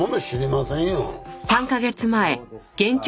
そうですか。